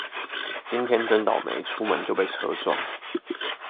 今天真倒楣，出門就被車撞